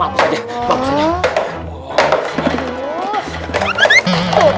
aduh maaf ya positi